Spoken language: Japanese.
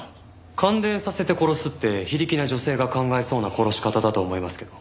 感電させて殺すって非力な女性が考えそうな殺し方だと思いますけど。